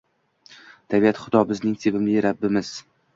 Tabiat - Xudo, bizning sevimli Rabbimiz